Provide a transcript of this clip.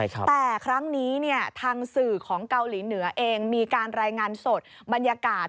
แต่ครั้งนี้ทางสื่อของเกาหลีเหนือเองมีการรายงานสดบรรยากาศ